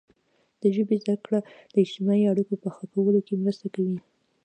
د ژبې زده کړه د اجتماعي اړیکو په ښه کولو کې مرسته کوي.